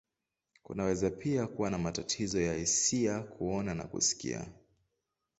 Kunaweza pia kuwa na matatizo ya hisia, kuona, na kusikia.